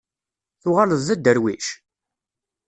Tuɣaleḍ d aderwic?